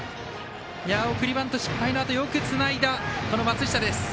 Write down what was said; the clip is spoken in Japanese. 送りバント失敗のあとよくつないだ、松下。